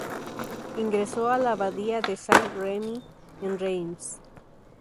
Ingresó a la abadía de Saint Remi, en Reims.